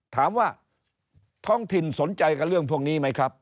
ถามว่าท้องถิ่นสนใจกับเรื่องพวกนี้ไหมครับ